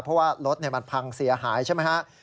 เพราะว่ารถมันพังเสียหายใช่ไหมฮะ